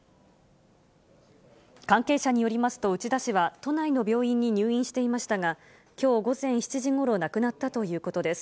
関係者によりますと、内田氏は、都内の病院に入院していましたが、きょう午前７時ごろ、亡くなったということです。